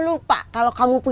kenapa ama dikunciin